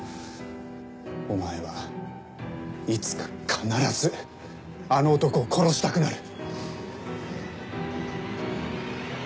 お前はいつか必ずあの男を殺したくなる！